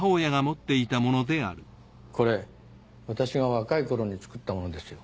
これ私が若いころに作ったものですよ。